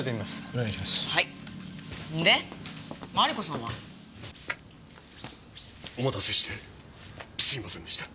でマリコさんは？お待たせしてすいませんでした。